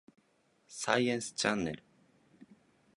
サイエンスチャンネル